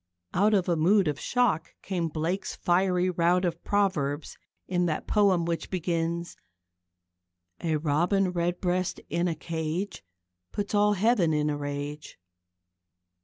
Out of a mood of shock came Blake's fiery rout of proverbs in that poem which begins: A Robin Redbreast in a cage Puts all heaven in a rage.